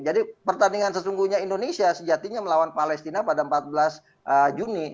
pertandingan sesungguhnya indonesia sejatinya melawan palestina pada empat belas juni